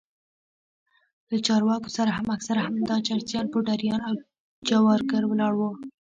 له چارواکو سره هم اکثره همدا چرسيان پوډريان او جوارگر ولاړ وو.